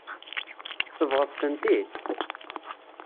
Tsebɣeḍ-tent-id.